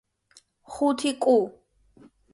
ხუთი კუ.